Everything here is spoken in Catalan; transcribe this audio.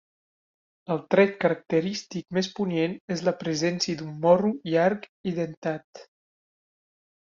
El tret característic més punyent és la presència d'un morro llarg i dentat.